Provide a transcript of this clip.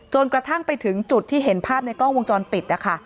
กระทั่งไปถึงจุดที่เห็นภาพในกล้องวงจรปิดนะคะ